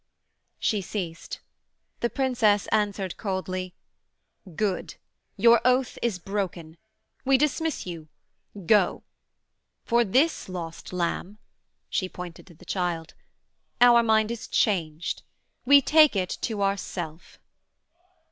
She ceased: the Princess answered coldly, 'Good: Your oath is broken: we dismiss you: go. For this lost lamb (she pointed to the child) Our mind is changed: we take it to ourself.'